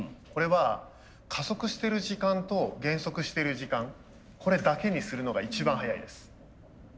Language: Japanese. これは加速してる時間と減速してる時間これだけにするのが一番速いです。